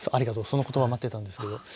その言葉待ってたんですけど。